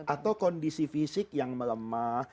atau kondisi fisik yang melemah